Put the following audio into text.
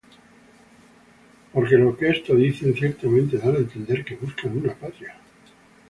Porque los que esto dicen, claramente dan á entender que buscan una patria.